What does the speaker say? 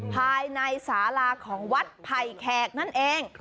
ภายในสาราของวัดไผ่แขกนั่นเอง